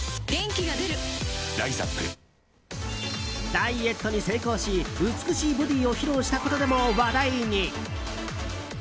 ダイエットに成功し美しいボディーを披露したことでも話題に。